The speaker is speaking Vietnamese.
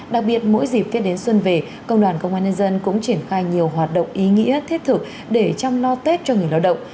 đặc biệt mỗi dịp tết đến xuân về công đoàn công an nhân dân cũng triển khai nhiều hoạt động ý nghĩa thiết thực để chăm lo tết cho người lao động